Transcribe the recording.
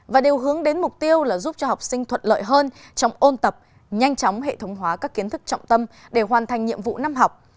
và điều hướng đến mục tiêu là giúp cho học sinh thuận lợi hơn trong ôn tập nhanh chóng hệ thống hóa các kiến thức trọng tâm để hoàn thành nhiệm vụ năm học